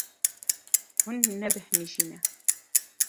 Hûn nebêhnijî ne.